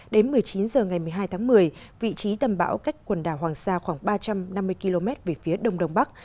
đến một mươi chín h ngày một mươi hai tháng một mươi vị trí tầm bão cách quần đảo hoàng sa khoảng ba trăm năm mươi km về phía đông đông bắc